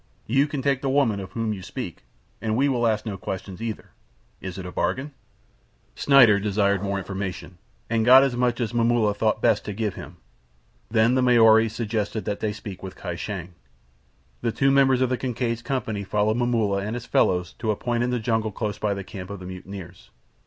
You can take the woman of whom you speak, and we will ask no questions either. Is it a bargain?" Schneider desired more information, and got as much as Momulla thought best to give him. Then the Maori suggested that they speak with Kai Shang. The two members of the Kincaid's company followed Momulla and his fellows to a point in the jungle close by the camp of the mutineers.